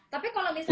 tapi kalau misalnya